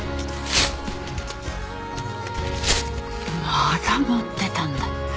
まだ持ってたんだ。